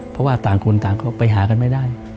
เพราะว่าต่างคนต่างก็ไปหากันไม่ได้